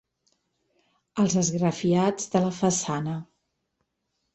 Els esgrafiats de la façana.